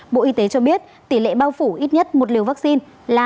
bộ y tế cho biết tỷ lệ bao phủ ít nhất một liều vaccine là bảy mươi chín